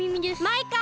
マイカ